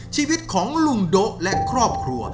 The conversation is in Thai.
ชีวิตของลุงโดะและครอบครัว